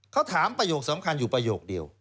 เขาถามประโยคสำคัญอยู่ประโยคเดียว